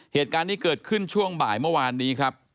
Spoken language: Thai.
เหตุการณ์นี้เกิดขึ้นช่วงบ่ายเมื่อวานนี้ครับ